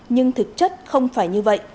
nhưng thực chất không phải như vậy